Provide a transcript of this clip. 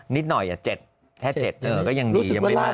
นิดหน่อย๗แค่๗ก็ยังดียังไม่ได้